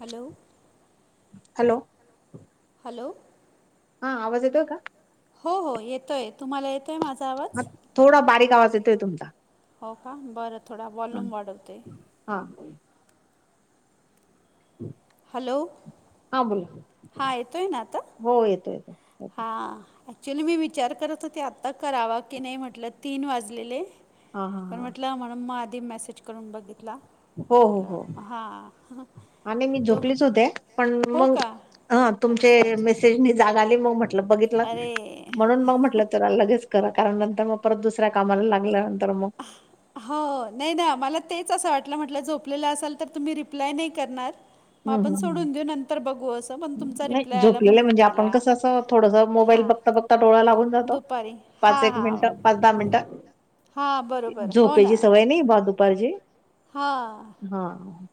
Hello hello hello हा आवाज येतोय का? हो हो येतोय तुम्हाला ये हा थोडा बारीक आवाज येतोय तुमचा. हो का बरं थोडा वॉल्यूम वाढवते. हा हा बोला हो येतो येतो. हा ऍक्च्युली मी विचार करत होते आता करावा की नाही म्हटलं तीन वाजलेले पण म्हटलं म्हणून मग आधी मेसेज करून बघितला [unintelligible] हां ह ह आणि मी झोपलीच होते पण मग हा तुमचे मेसेज जाग आली मग म्हटलं बघितलं म्हणून मग म्हटलं कॉल लगेच करा कारण नंतर मग परत दुसऱ्या कामाला लागल्या नंतर मग ह हो नाही ना मला तेच असं वाटलं म्हटलं झोपलेलं असाल तर तुम्ही रिप्लाय नाही करणार. मग आपण सोडून देऊ नंतर बघू असं.., म्हणून तुमचा रिप्लाय आला म्हणून केला हा आता डोळा लागून जातो पाच एक मिनिटं, पाच दहा मिनिटं. झोपेची सवय नाही बा दुपारची हां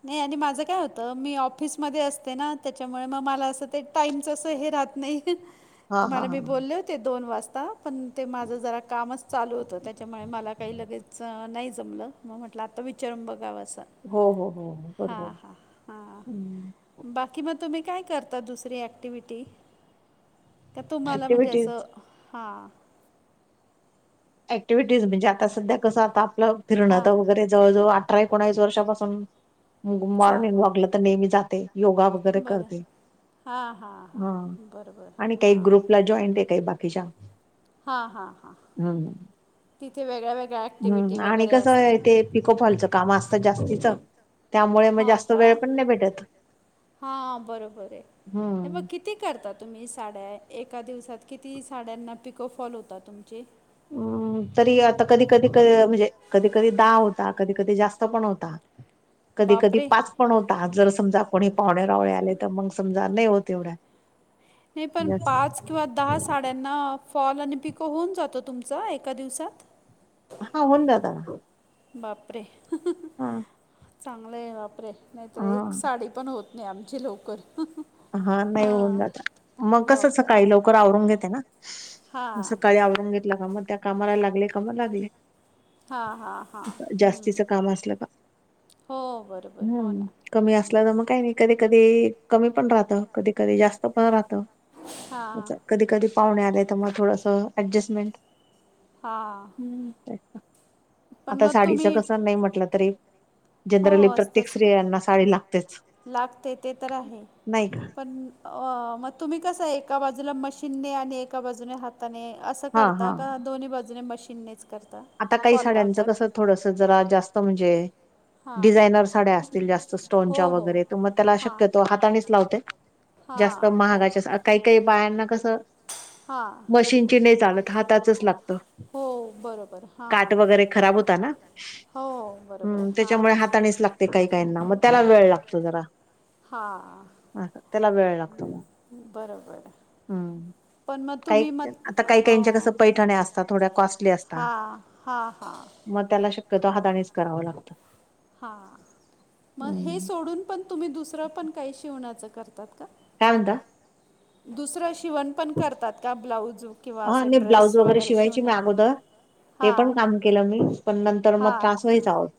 नाही आणि माझं काय होतं, मी ऑफिसमध्ये असते ना, याच्यामुळे मग मला असं ते टाईमचं असं हे राहत नाही. तुम्हाला मी बोलले होते दोन वाजता. पण ते माझं जरा कामच चालू होतं त्याच्यामुळे मला काही लगेच नाही जमलं. मग म्हटलं आता विचारून बघाव असं हां- हां -हां बाकी मग तुम्ही काय करता दुसरी ऍक्टिव्हटी. तर तुम्हाला म्हणजे असं हां ऍक्टिव्हिटीज म्हणजे आता सध्या कसं आता आपलं फिरणं वगैरे- जवळ-जवळ अठरा, एकोणास वर्षापासून मॉर्निंग वॉक तर नेहमी जाते., योगा- वैगरे करते. आणि काही ग्रुपला जॉईंट आहे काही बाकीच्या. हा-हा-हा हम्- हम्म आणि कस आहे ते पिकोफॉलच- काम असतं जास्तीच. त्यामुळे मग जास्त वेळ पण नाही भेटत. हम्म किती करता तुम्ही साड्या? एका दिवसात किती साड्यांना पिकोफॉल होता तुमचे. हम्म तरी आता कधी-कधी क म्हणजे- कधी-कधी दहा होता कधी-कधी जास्त पण होता. कधी-कधी पाच पण होता. जर समजा कोणी पाहुणे, रावळे आले तर मग समजा नाही होत एवढ्या. नाही पण पाच किंवा दहा साड्यांना- फॉल आणि पिको होऊन जातो तुमच एका दिवसात. हा होऊन जातात. बापरे ह ही ही चांगलं आहे बापरे नाहीतर एक साडी पण होत- आणि आमचे लवकर ह ह. हा नाही होऊन जात मग कसं सकाळी लवकर आवरून घेते ना. हा. आवरून घेतला काम त्या कामाला लागले का म लागले. जास्तीच काम असलं का. हम्म कमी असल्या तर मग काही नाही. कधी- कधी कमी पण राहत कधी-कधी जास्त पण राहत. कधी कधी पाहु आय तर मग थोडसं ऍडजस्टमेंट. हा ह् आता साडीच कस नाही म्हटलं तरी जनरली प्रत्येक स्रियांना साडी लागतेच लागतेच ते ते तर आहे. नाही का? मग तुम्ही कस एका बाजूला मशीनने आणि एका बाजून हाताने असं करता का दोन्ही बाजूने मशीननेच करता फॉल लावतात. थोडस जरा जास्त म्हणजे डिझायनर साड्या असतील जास्त स्टोनच्या वगैरे तर मग त्याला शक्यतो हाताणीच लावते. जास्त महागाच्या काही काही बायांना कसं. हा मशीनची नाही चालत हाताचच लागत. हो बरं बरं. काठ वगैरे खराब होता ना हम्म त्याच्यामुळे हातानीच लाग तय काही काही ना मग त्याला वेळ लागतो जरा. हा ह तेला वेळ लागतो मग. हम्म काही आता काही काहीच्या कस पैठणे अस तात थोड्या कॉस हा हा हा मग त्याला शक्यतो हातानीच करावं लागतं. हा मग हे सोडून पण तुम्ही दुसरं पण काही शिवण्याचं करतात का? काय म्हता. दुसरं शिवण पण करतात का ब्लाऊज, हा नाही ब्लाऊज वगैरे शिवायची मी अगोदर. ते पण काम केलं मी पण नंतर मग त्रास वईच आहोत.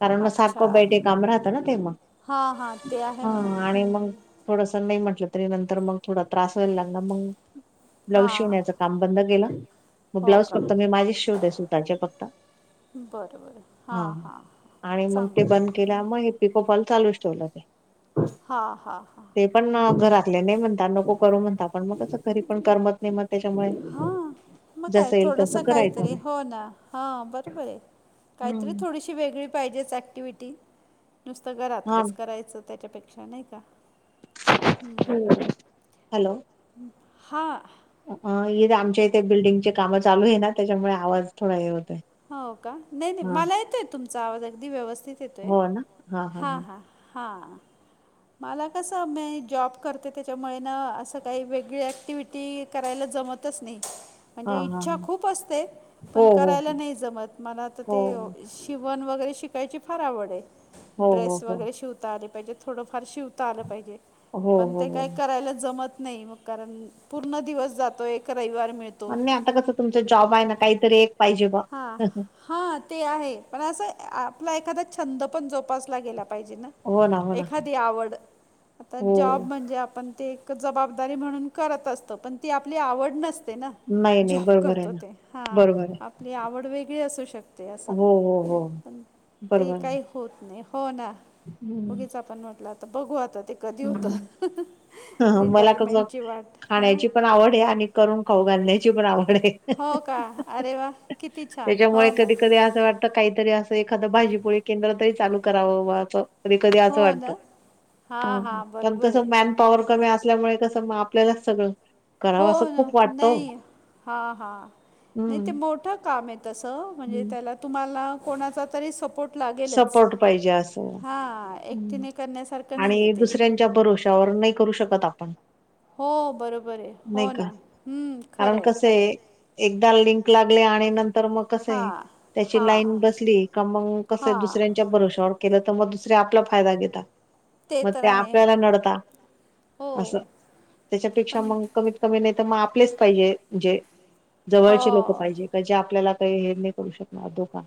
कारण मग सारखं बैठे काम राहत ना ते मग. हा हा ते आहे म्हणा. थोडस नाही म्हटलं तरी नंतर मग थोडा त्रास व्हायला लागणार मग ब्लाऊज शिवण्या च काम बंद केलं मग ब्लाउज फक्त मी माझी शिवते स्वतःचे फक्त. हा आणि मग ते बंद केल्या मग हे पिकोफॉल चालूच ठेवलं ते. ते पण घरातले नाही म्हणतात नको- करू म्हणतात पण मग कसं घरी पण करमत नाही. मग त्याच्यामुळे हां मग काय थोडंसं काहीतरी हो ना हां बरोबर आहे. काहीतरी थोडीशी वेगळी पाहिजेच ऍक्टिव्हटी नुसतं घरातलंच करायचं त्याच्यापे नाही का हा. इथे आमच्या इथे बिल्डिंगचे कामं चालू आहे ना त्याच्यामुळे आवाज थोडा हे होतय हो का नाही नाही मला येतोय तुमचा आवाज अगदी व्यवस्थित येतोय हा हा. हां.. मला कसं मी जॉब करते त्याच्यामुळे ना असं काही वेगळे ऍक्टिव्हटी. करायला जमतच नाही. म्हणजे इच्छा खूप असते, पण करायला नाही मग मला आता ते शिवण वगैरे शिकायची फार आवड आहे. ड्रेस वगैरे शिवता आले पाहिजे थोडंफार शिवता आलं पाहिजे. पण ते काही करायला जमत नाही मग कारण पूर्ण दिवस जातो एक रविवार मिळ पण मग आता कसं तुमचं जॉब आहे ना काहीतरी, हां. हा ते आहे पण असं ए- आपला एखादा छंद पण जोपासला गेला पाहिजे ना. एखादी आवड, आता जॉब म्हणजे आपण ते जबाबदारी म्हणून करत असतो. पण ती आपली आवड नसते ना. जॉब करतो ते हा. आपली आवड वेगळी असू शकते असं प ते काय, होत नाही. हो ना, उगीच आपण म्हटलं आता बघू आता हम्म् मला कस खाण्याची पण आवड आहे आणि करून खाऊ घालण्याची पण आवड आहे हो का? अरे वा! किती छान! हो ना! काहीतरी असं एखाद भाजीपोळी केंद्र तरी चालू करावं. व-वा-अस कधी कधी असं वाटतं ह पण कसं मॅन पॉवर कमी असल्यामुळे कसं आपल्याला सगळं होन, नाहीय. हा हा नाही ते मोठ काम आहे तस, म्हणजे त्याला तुम्हाला कोणाचा तरी सपोर्ट लागेलच, हा एकटीने करण्यासारख नाहीये तेे त्याच्या भरोश्यावर नाही करू शकत आपण हो, बरोबर आहे. होना, हम्म, खरंआहे, खरं आहे एकदा लिंक लागले आणि नंतर मग कसं आहे, त्याची लाईन बसली का मंग दुसऱ्यांच्या भरोशावर केलं तर मग दुसरे आपला फायदा घेतात मग ते आपल्याला नडता, असं त्याच्यापेक्षा मग कमी मी नाही तर मग आपलेच पाहिजे म्हणजे जवळचे लोक पाहिजे म्हणजे आपल्याला काही हे नाही करू शकणार धोका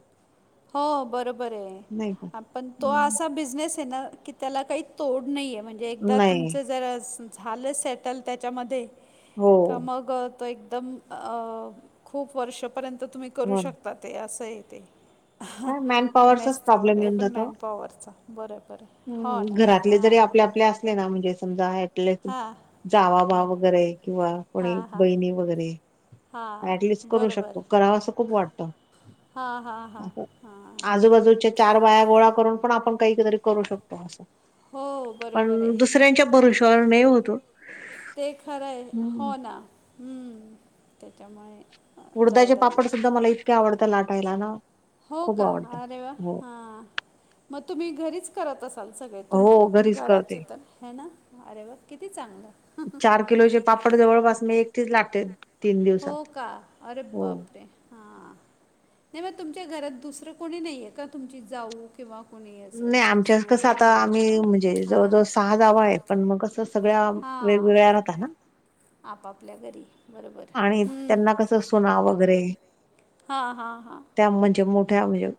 हो, बरोबर आहे पण तो असा बिझनेस आहे ना कि त्याला काही तोड नाहीये म्हणजे एकदा तुमचं जर झालं सेटल त्याच्यामध्ये का मग तो एकदम अ खूप वर्षपर्यंत तुम्ही करू शकता मग ते असं आहे हं, मेसचा वगैरे पण मॅनपाॉवरचा, बरोबर आहे हम्म, घरातले जरी आपले आपले असतील ना म्हणजे समजा जावाबा वगैरे किंवा कोणी बहिणी वगैरे ऍटलिस्ट करू शकतो, कराव असं खूप वाटतं हा हा हा. हा, हा हा चार बाया गोळा करून पण आपण काही-कतरी करू शकतो असं पण दुसऱ्यांच्या भरोशावर नाही होत ओ ते खरं आहे. हो ना, हम्म, त्याच्यामुळे उडदाचे पापड सुुद्धा मला इतके आवडत लाटायला ना हो का? अरे वा! हा, मग तुम्ही घरीच करत असाल सगळे तुमचे घराचे तर. हे ना? अरे वा! किती चांगलं चार किलोचे पापड जवळपास मी एकटीच लाटते हो का? अरे बापरे हा नाही मग तुमच्या घरात दुसरं कोणी नाही आहे का तुमची जाऊ किंवा कुणीही असं सासू वगैरे नाही आहे का? हां जावा जावा आहेत, पण मग कसा असतं सगळ्या वेगवेगळ्या राहता ना आणि त्यांना कस त्यात चुना वगैरे हा हा हा त्या म्हणजे मोठ्या म्हणजे,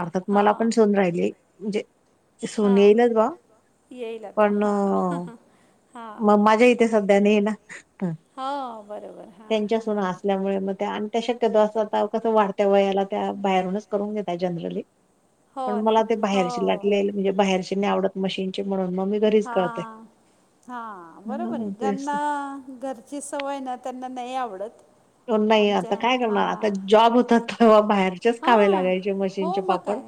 अर्थात मला पण सून राहिली म्हणजे ते सून येइलच येईल आता हा, हंहा मग माझ्या इथे सध्या नाही ना, त्यांच्या सूना असल्यामुळे मग त्या आण त्या शक्यतो असं आता कसं वाढत्या वयाला त्या बाहेरूनच करून घेतात जनरली हो ना बाहेरची लाटले म्हणजे बाहेरशी नाही आवत म्हशींचा म्हून मग मी हा... हा... बरोबर आहे. गना घर ची सवय ना त्यांना नाही आवडत. नाही, आता काय करणार, आता जॉब होतात तवा बाहेर [inaudible] खावे लागायचे मशीनचे पापड.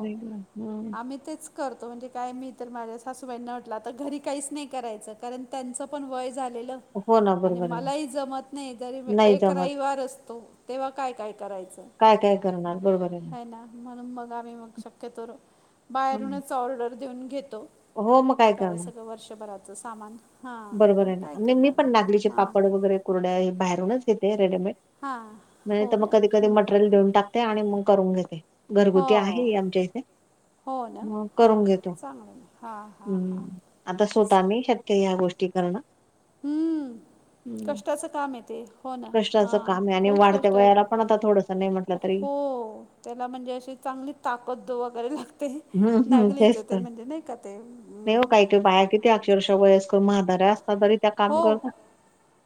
ना आम्ही तेच करतो. म्हणजे काय, मी तर माझ्या सासूबाईंना म्हटलं, तर घरी काहीच नाही करायचं. कारण, त्यांचं पण वय झालेलं. आणि मलाही जमत नाही. तरी मी एक रविवार असतो. तेव्हा काय काय करायचं. काय.. काय का ना म्हणून, मग आम्ही मग शक्यतो र बाहेरूनच ऑर्डर देऊन घेतो. काय सगळं वर्षभराचं सामान. बरोबर आहे. ना मी पण नागलीचे पापड. वगैरे कुरड्या बाहेरूनच घेते. रेडीमेड म्हणजे, तर मग कधी कधी मटेरियल देेऊन टाकते. आणि मग करून घेते. घरगुती आहे. आमच्या इथे. हो.. ना हां.. हां.. चांगलं ना.. हां... हां.. हां.. आता स्वतः मी [inaudible] शेतकरी ह्या गोष्टी करणं हम्म... कष्टाच काम [inaudible] येते होणं [inaudible] हा खूप कष्ट हो.. त्याला म्हणजे अशी चांगली ताकद, वगैरे लागते. नागलीचं, ते म्हणजे नाही का ते. हम्... बाया किती अक्षरश वयस् कर म्हदार्या असता. ब हो..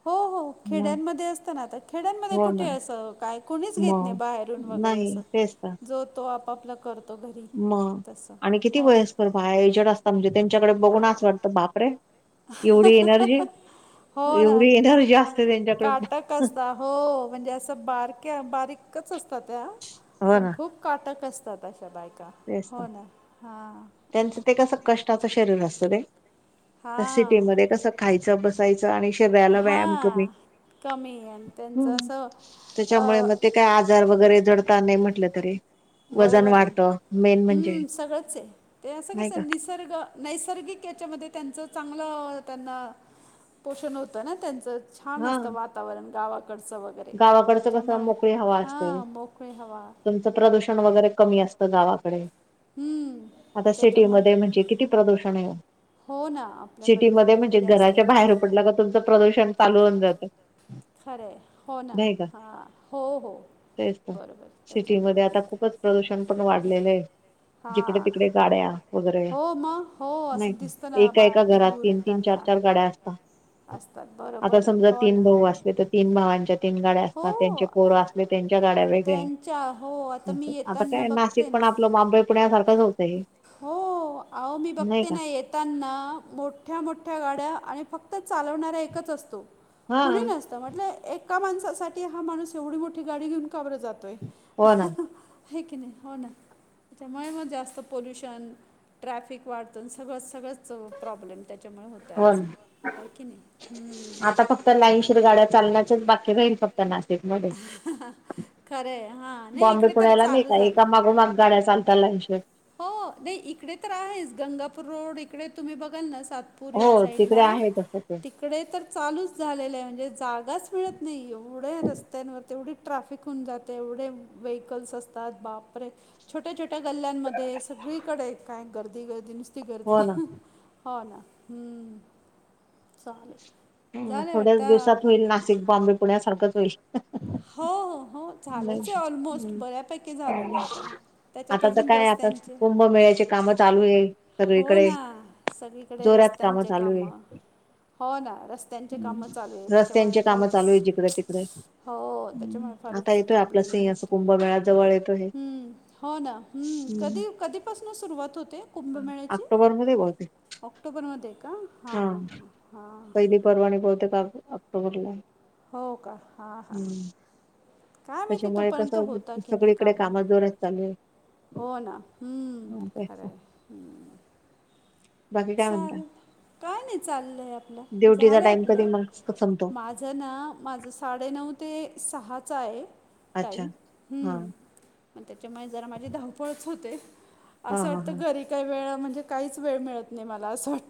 हो.. हो.. खेड्यांमध्ये असत ना, आ तर खेड्यांमध्ये कुठे असं काय. कणीच घेत नाही, बाहेरून वगैरे, अस ज तो आपापला करत. मग आणि किती वयस कर बाया, एजड असत. सजे. त्यांच्याकडे बघूनच वाटतं. बापरे! एवढी एनर्जी? एवढी एनर्जी असते. त्यांच्याकडे अस हो... म्हणजे असं बारक्या, बारीकच असतात. त्या पण खूप. काटक असतात. अशा बायका हो.. ना.. हा [inaudible] [inaudible] री असत [inaudible] सिी क [inaudible] [inaudible] बसायच आणि शरीराला व्यायाम [inaudible] करणे ह... त्याच्यामुळे मग ते काय, आ बाजार वगैरे जडता नाही. म्हटलं तरी बरोबर आहे. हम्म सगळंच आहे. ते असं कसस सर्ग [inaudible] नैसर्गिक याच्यामध्ये त्यांच चांगलं, त्यांना पोषण होत ना. त्यांचं छान असतं वातावरण. गावाकडचं वग [inaudible] वगैरे त्याच्यामुळे, हा.. मोकळे हवा. प्रदूषण वगैरे कमी असतं. गावाकडे आता सिटीमध्ये म्हणजे? किती प्रदूषण आहे. हो... ना सिटीमध्येध्ये म्हणजे घराच्या बाहेर पडलं. तर तुमचं प्रदूषण चालू होन. [inaudible] जातं खरं आहे. हो ना. हा... हो... हो... बरोबर त्याच्यामुळे काय कर प्रदूषण पण वाढलेले आहे. जिकडे, तिकडे, गाड्या वगैरे, नाही का? एका, एका, घरात तीन, तीन, चार, चार गाड्या असतात. असतात. बरोबर आहे. हो ना. तर, तीन भावांच्या तीन [inaudible] गा्या असतात. त्यांचे पो [inaudible] असत. त्यांच्या गाड्या वेगळ्या आहेत आता काय नाशिक पण आपलं मुंबई पुण्यासारखंच नव्हतं हे हो आहो मी बघते ना एक येताना मोठ्या मोठ्या गाड्या आणि फक्त चालवणारा एकच असतो कुणी नसतो तर म्हटलं... एका माणसासाठी, हा माणूस एवढी मोठी गाडी घेऊन का बरं जातोय? अ... हं हं है की नई? हो, न... त्यामुळे मग जास्त पोल्युशन, ट्रॅफिक वाढतं... सगळं सगळंच च प्रॉब्लेम त्याच्यामुळे होतोय असं... हाय की नई? हुं तर लाईनशीर गाड्या चालण्याच्याच बाकी राहील फक्त नाशिक मध्ये बॉम्बे, पुण्याला नाई का... एका मागोमाग गाड्या चालतात लाईनशीर हो... नई, इकडे तर आहेच... गंगापूर रोड, इकडे तुम्ही बघाल ना सात पूर या साईडला तीक तीकडे तर चालूच झालेलं ए... म्हणजे जागाच मिळत नाई... एवढ्या रस्त्यांवर तेवढी ट्राफिक होऊन जाते... एवढे ववेहिकल असतात... बापरे छोट्या छोट्या गल्ल्यांमध्ये ते सगळीकडे... काय गर्दी... गर्दी नुस्ती गर्दी.. हं हो ना... हुं.. चालेल थोड्याच दिवसात होईल... नाशिक बॉम्बे, पुण्यासारखंच होईल हो हो हो... झालंच ए, ऑलमोस्ट... बऱ्यापैकी झालेलं ए आता त्याच्यात अजून रस्त्यांचे... हो ना सगळीकडे रस्त्यांचे कामं... हो ना रस्ते त्यांचे कामं चालू ए... त्याच्यामुळे फारच इकडे तिकडे हो... त्याच्यामुळे फारच प्रॉब्लेम येऊन जातो... हुं. हो ना. हुं... कधी... कधीपासून सुरुवात होते? कुंभमेळ्याची... ऑक्टोबरमध्ये का? हां हां हां हां.. परवा आणि बहुतेक... आ.. ऑक्टोबरला.. हो का? हा हा.. काय माहिती... तोपर्यंत होता की नाई... कामं. हो... ना... हुं... खरंय. चालल... काय नाई... चाललंय आपलं... झाले आपले... माझे माझं ना... माझं साडेनऊ ते सहाचं आहे. टाईम... हम्म... अन त्याच्यामुळे जरा माझी धावपळच होते. असं वाटतं, घरी काही वेळा... म्हणजे... काहीच वेळ मिळत नाही मला असं वाटतं.